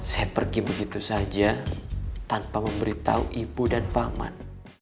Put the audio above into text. saya pergi begitu saja tanpa memberitahu ibu dan paman